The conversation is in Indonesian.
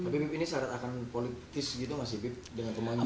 tapi ini syarat akan politis gitu gak sih